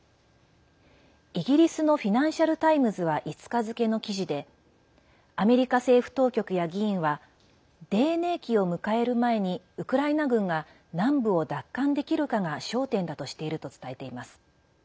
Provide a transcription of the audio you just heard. イギリスのフィナンシャル・タイムズは５日付の記事でアメリカ政府当局や議員は泥ねい期を迎える前にウクライナ軍が南部を奪還できるかが焦点だとしていると伝えています。